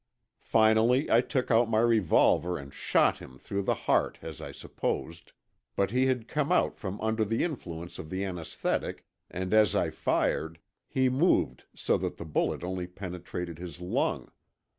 Finally, I took out my revolver and shot him through the heart as I supposed, but he had come out from under the influence of the anesthetic and as I fired he moved so that the bullet only penetrated his lung.